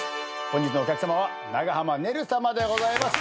本日のお客さまは長濱ねるさまでございます。